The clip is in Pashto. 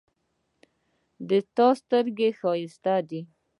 د تا سترګې ښایستې دي